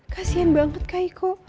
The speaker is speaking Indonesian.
kasian banget kak iko